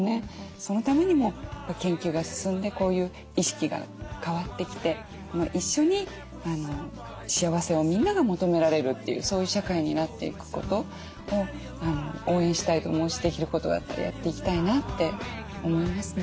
そのためにも研究が進んでこういう意識が変わってきて一緒に幸せをみんなが求められるというそういう社会になっていくことを応援したいと思うしできることがあったらやっていきたいなって思いますね。